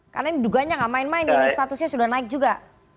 karena ini duganya nggak main main ini statusnya sudah naik juga